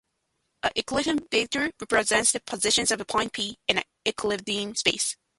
A Euclidean vector represents the position of a point "P" in a Euclidean space.